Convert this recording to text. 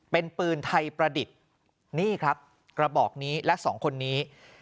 เป็นปืนไทยประดิษฐ์นี่ครับกระบอกนี้และสองคนนี้